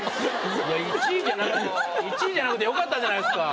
１位じゃなくてよかったじゃないですか。